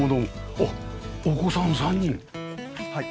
あっお子さん３人？はい。